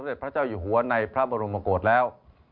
ก็อยู่หัวในพระบรมโปรดแล้ว